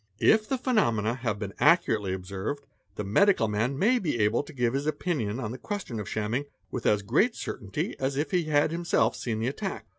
If the phenomena have been accurately observed, the medical man may be able to give his opinion on the question of shamming with as great certainty as if he had himself seen the attack.